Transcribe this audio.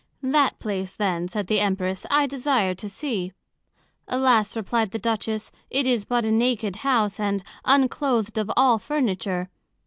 That place, then, said the Empress, I desire to see. Alas, replied the Duchess, it is but a naked House, and uncloath'd of all Furniture.